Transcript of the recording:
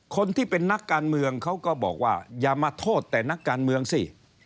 คนที่เป็นนักการเมืองเขาก็บอกว่าอย่ามาโทษแต่นักการเมืองสิ